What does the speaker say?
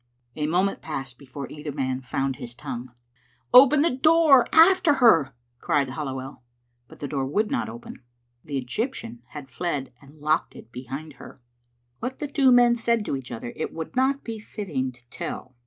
A moment passed before either man found his tongue. "Open the door. After her!" cried Halliwell. But the door would not open. The Egyptian had fled and locked it behind her. What the two men said to each other, it would not be fitting to tell.